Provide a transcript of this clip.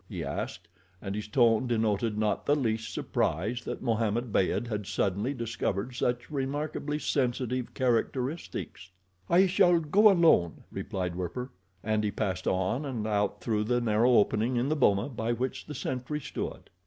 he asked, and his tone denoted not the least surprise that Mohammed Beyd had suddenly discovered such remarkably sensitive characteristics. "I shall go alone," replied Werper, and he passed on and out through the narrow opening in the boma, by which the sentry stood.